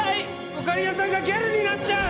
オカリナさんがギャルになっちゃう！